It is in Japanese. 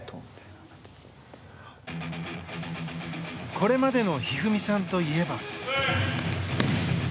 これまでの一二三さんといえば。